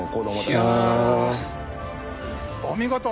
お見事！